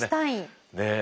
ねえ。